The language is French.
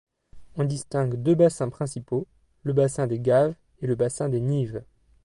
On distingue deux bassins principaux, le bassin des gaves et le bassin des nives.